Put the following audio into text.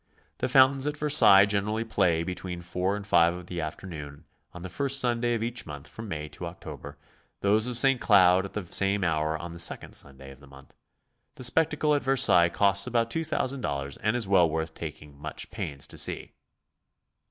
The fountains at Versailles generally play between 4 and 5 of the afternoon on the first Sunday of each month from May to October; those of St. Cloud at the same hour on the second Sunday oi the month. The spectacle at Ver sailles costs about $2000 and is well worth taking much pains to see.